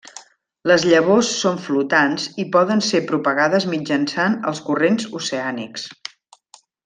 Les llavors són flotants i poden ser propagades mitjançant els corrents oceànics.